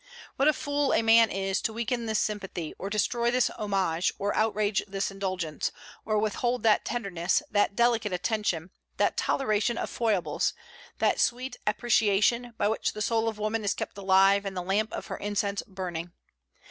What a fool a man is to weaken this sympathy, or destroy this homage, or outrage this indulgence; or withhold that tenderness, that delicate attention, that toleration of foibles, that sweet appreciation, by which the soul of woman is kept alive and the lamp of her incense burning!